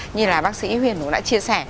như là bác sĩ huyền vũ đã chia sẻ